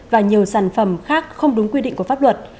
và nhiều sản phẩm khác không đúng quy định của pháp luật